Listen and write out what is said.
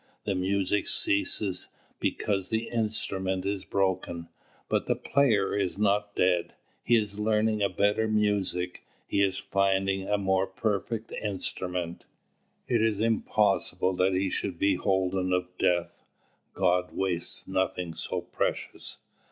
The music ceases because the instrument is broken. But the player is not dead. He is learning a better music. He is finding a more perfect instrument. It is impossible that he should be holden of death. God wastes nothing so precious.